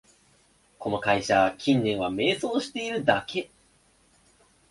この会社、近年は迷走してるだけ